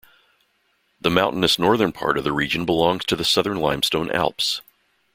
The mountainous northern part of the region belongs to the Southern Limestone Alps.